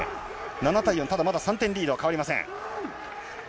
７対４、ただまだ、３点リードは変わりません。